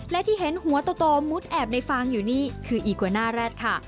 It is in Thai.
และที่เห็นหัวโตมุดแอบในฟางอยู่นี่คืออีกวาน่าแร็ดค่ะ